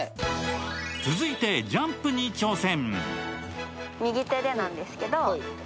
続いてジャンプに挑戦。